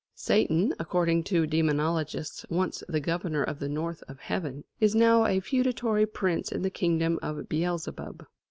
Satan, according to demonologists once the governor of the north of Heaven, is now a feudatory prince in the kingdom of Beelzebub.